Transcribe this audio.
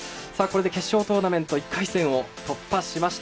決勝トーナメント、１回戦を突破しました。